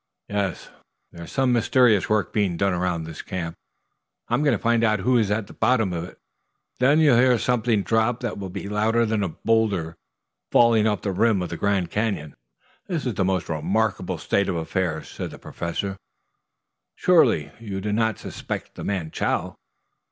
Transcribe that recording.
"Yes. There's some mysterious work being done around this camp. I'm going to find out who is at the bottom of it; then you'll hear something drop that will be louder than a boulder falling off the rim of the Grand Canyon." "This is a most remarkable state of affairs." said the Professor. "Surely you do not suspect the man Chow?"